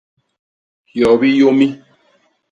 Hyobi yômi.